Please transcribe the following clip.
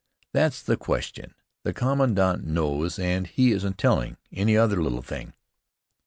that's the question. The commandant knows, and he isn't telling. Any other little thing?"